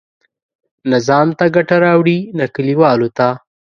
نه ځان ته ګټه راوړي، نه کلیوالو ته.